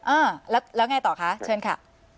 อ่าแล้วไงต่อคะเชิญค่ะ